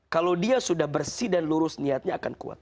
kalau dia sudah bersih dan lurus niatnya akan kuat